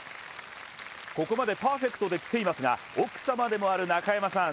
ここまでパーフェクトできていますが、奥様でもある中山さん